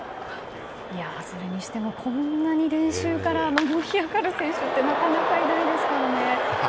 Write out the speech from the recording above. それにしても、こんなに練習から盛り上がる選手ってなかなかいないですからね。